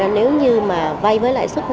nếu như mà vay với lãi suất năm